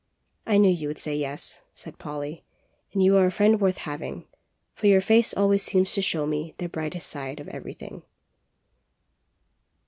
"I knew you would say yes,'' said Polly, "and you are a friend worth having, for your face always seems to show me the brightest side of everything."